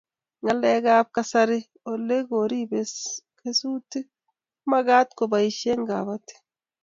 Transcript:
Ng'alek ab kasari ole kiribei kesutik ko magat ko baishe kabatik